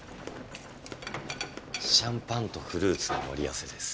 シャンパンとフルーツの盛り合わせです。